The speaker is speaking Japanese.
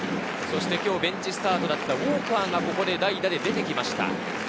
そして今日ベンチスタートだったウォーカーがここで代打で出てきました。